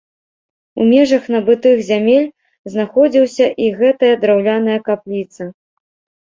У межах набытых зямель знаходзіўся і гэтая драўляная капліца.